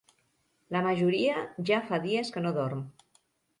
La majoria ja fa dies que no dorm.